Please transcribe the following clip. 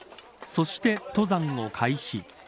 そして登山を開始。